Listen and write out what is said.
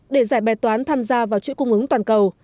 để giải bài toán tham gia vào chuỗi cung ứng toàn cầu